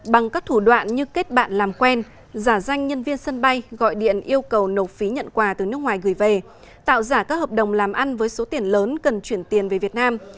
bằng các thủ đoạn như kết bạn làm quen giả danh nhân viên sân bay gọi điện yêu cầu nộp phí nhận quà từ nước ngoài gửi về tạo giả các hợp đồng làm ăn với số tiền lớn cần chuyển tiền về việt nam